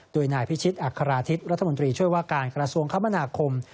โดยนายพิชิตอัคราธิตรัฐมนตรีช่วยว่าการกระทรวงคมนาคม